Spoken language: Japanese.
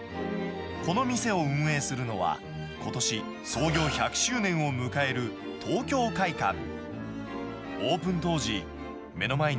この店を運営するのは、ことし創業１００周年を迎える、東京かいかん。